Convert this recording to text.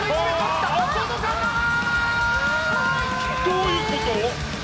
どういうこと？